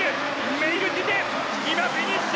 メイルティテ今、フィニッシュ！